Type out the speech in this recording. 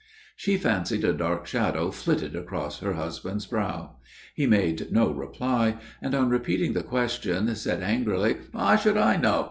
She fancied a dark shadow flitted across her husband's brow. He made no reply; and, on repeating the question, said angrily, "How should I know?